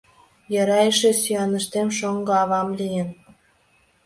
Йӧра эше сӱаныштем шоҥго авам лийын.